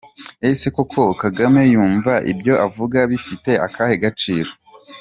Ese koko Kagame yumva ibyo avuga bifite akahe gaciro ?